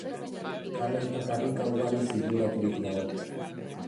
Kale eta karrika ugariz inguraturik dago.